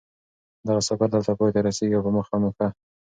دغه سفر دلته پای ته رسېږي او په مخه مو ښه